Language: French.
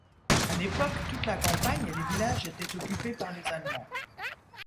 À l'époque, toute la campagne et les villages étaient occupés par les Allemands.